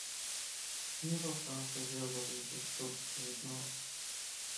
Neither party held a registered trademark.